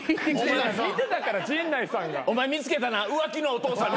見てたから陣内さんが。お前見つけたな浮気のお父さん。